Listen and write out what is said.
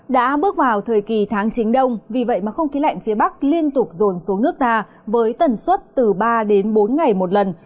đã bước vào thời kỳ tháng chính đông vì vậy mà không khí lạnh phía bắc liên tục rồn xuống nước ta với tần suất từ ba đến bốn ngày một lần